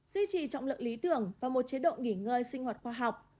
duy trì trọng lượng lý tưởng và một chế độ nghỉ ngơi sinh hoạt khoa học